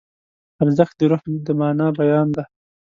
ارزښت د روح د مانا بیان دی.